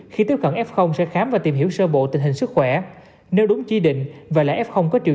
khi tiếp cận f sẽ khám và tìm hiểu sơ bộ tình hình sức khỏe nếu đúng chỉ định và là f có triệu